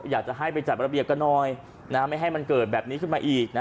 อยากจะให้ไปจัดระเบียบกันหน่อยไม่ให้มันเกิดแบบนี้ขึ้นมาอีกนะ